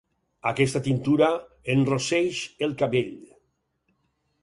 Aquesta tintura enrosseix el cabell.